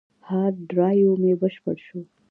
هارد ډرایو مې بشپړ شو.